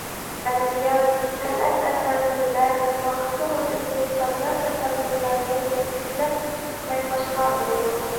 ئەدەبىيات-سەنئەت ئەسەرلىرىدە ۋاقىت توغرىسىدىكى ساددا تەسەۋۋۇرلارنى كۆپلەپ بايقاشقا بولىدۇ.